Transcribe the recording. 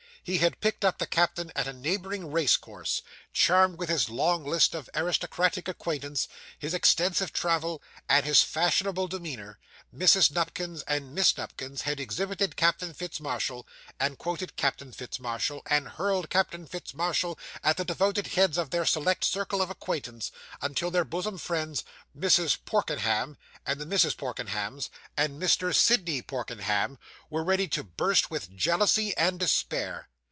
He had picked up the captain at a neighbouring race course. Charmed with his long list of aristocratic acquaintance, his extensive travel, and his fashionable demeanour, Mrs. Nupkins and Miss Nupkins had exhibited Captain Fitz Marshall, and quoted Captain Fitz Marshall, and hurled Captain Fitz Marshall at the devoted heads of their select circle of acquaintance, until their bosom friends, Mrs. Porkenham and the Misses Porkenhams, and Mr. Sidney Porkenham, were ready to burst with jealousy and despair.